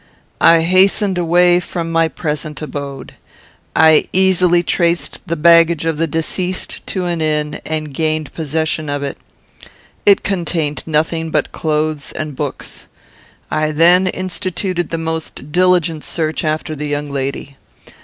I hastened away from my present abode. I easily traced the baggage of the deceased to an inn, and gained possession of it. It contained nothing but clothes and books. I then instituted the most diligent search after the young lady.